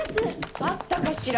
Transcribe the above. あったかしら？